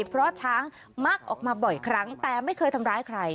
เพราะช้างมักออกมาบ่อยครั้งแต่ไม่เคยทำร้ายใคร